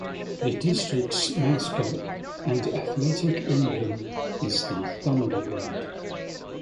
The district's mascot and athletic emblem is the Thunderbird.